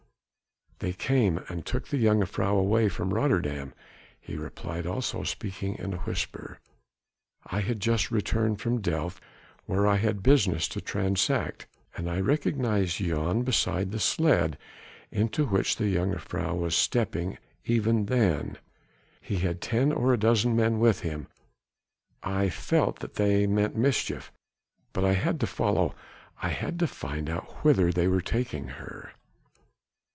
"They came and took the jongejuffrouw away from Rotterdam," he replied also speaking in a whisper. "I had just returned from Delft, where I had business to transact and I recognized Jan beside the sledge into which the jongejuffrouw was stepping even then. He had ten or a dozen men with him. I felt that they meant mischief but I had to follow ... I had to find out whither they were taking her...."